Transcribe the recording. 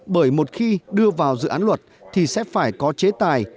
bởi một khi đưa vào dự án luật thì sẽ phải có chế tài